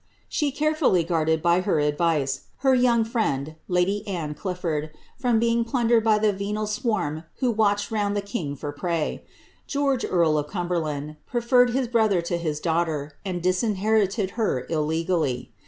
She carefully guarded, by her advice, her young friend, lady Anne Clif ford, from being plundered by the venal swarm who watched round the king for prey. George, earl of Cumberland, preferred his brother to his daughter, and disinherited her illegally.